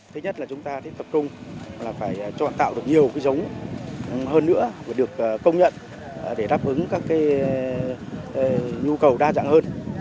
thứ nhất là chúng ta phải tập trung phải tạo được nhiều giống hơn nữa được công nhận để đáp ứng các nhu cầu đa dạng hơn